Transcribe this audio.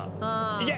いけ！